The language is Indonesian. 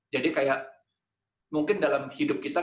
jadi kayak mungkin dalam hidup kita